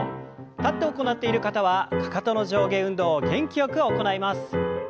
立って行っている方はかかとの上下運動を元気よく行います。